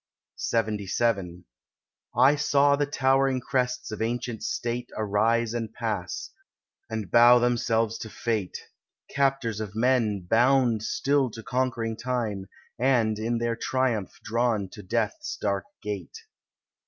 LXXVII I saw the towering crests of ancient state Arise and pass, and bow themselves to fate: Captors of men bound still to conquering Time, And in their triumph drawn to death's dark gate.